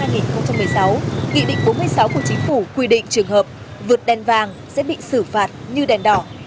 nghị định bốn mươi sáu của chính phủ quy định trường hợp vượt đèn vàng sẽ bị xử phạt như đèn đỏ